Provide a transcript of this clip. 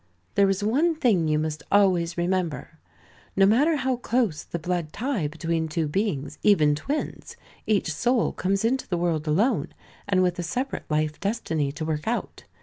There is one thing you must always remember: No matter how close the blood tie between two beings, even twins, each soul comes into the world alone, and with a separate life destiny to work out.